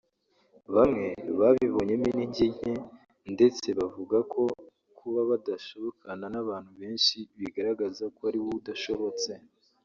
bamwe babibonyemo intege nke ndetse bavuga ko kuba adashobokana n’abantu benshi bigaragaza ko ari we udashobotse